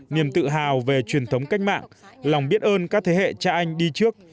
niềm tự hào về truyền thống cách mạng lòng biết ơn các thế hệ cha anh đi trước